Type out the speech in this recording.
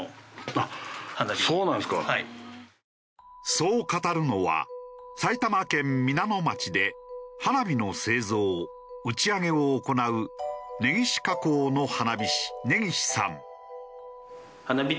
そう語るのは埼玉県皆野町で花火の製造打ち上げを行う根岸火工の花火師根岸さん。